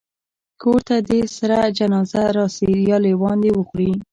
کور ته دي سره جنازه راسي یا لېوان دي وخوري